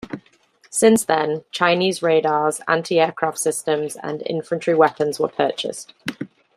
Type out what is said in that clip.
Since then, Chinese radars, anti-aircraft systems and infantry weapons were purchased.